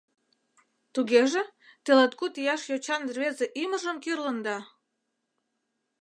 Тугеже, те латкуд ияш йочан рвезе ӱмыржым кӱрлында?